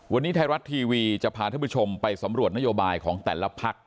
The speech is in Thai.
วันนี้ไทยรัฐทีวีจะพาท่านผู้ชมไปสำรวจนโยบายของแต่ละพัก